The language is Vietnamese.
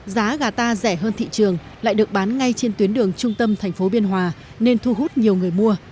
giá gà ta rẻ hơn thị trường lại được bán ngay trên tuyến đường trung tâm thành phố biên hòa nên thu hút nhiều người mua